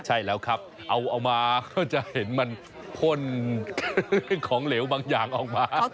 ใช่แล้วครับเอามาก็จะเห็นมันพ่นเรื่องของเหลวบางอย่างออกมา